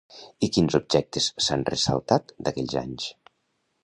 I quins objectes s'han ressaltat d'aquells anys?